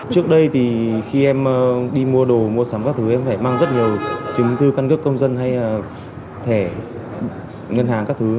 trước đây thì khi em đi mua đồ mua sắm các thứ em phải mang rất nhiều chứng tư căn cước công dân hay là thẻ ngân hàng các thứ